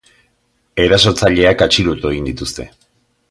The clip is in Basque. Erasotzaileak atxilotu egin dituzte.